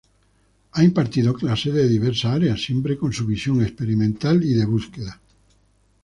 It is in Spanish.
Ha impartido clases de diversas áreas, siempre con su visión experimental y de búsqueda.